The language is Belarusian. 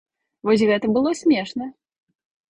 Вось гэта было смешна.